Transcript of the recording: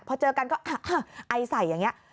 พอเจอกันก็ไอใส่อย่างนี้